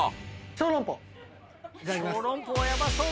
小籠包はやばそう。